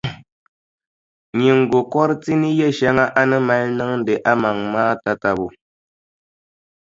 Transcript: Nyiŋgokɔriti ni yɛʼ shɛŋa a ni mali niŋdi a maŋa maa tatabo.